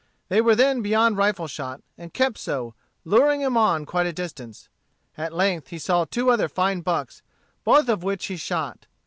They were then beyond rifle shot, and kept so, luring him on quite a distance. At length he saw two other fine bucks, both of which he shot.